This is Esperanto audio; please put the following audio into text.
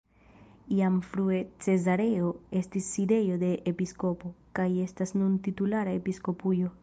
Jam frue Cezareo estis sidejo de episkopo, kaj estas nun titulara episkopujo.